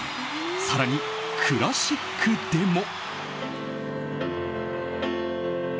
更にクラシックでも。